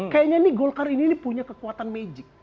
kayaknya nih golkar ini punya kekuatan magic